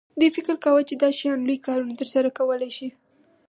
دوی فکر کاوه چې دا شیان لوی کارونه ترسره کولی شي